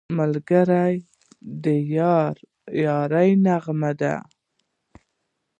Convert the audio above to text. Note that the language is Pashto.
ملګری د یارۍ نغمه ده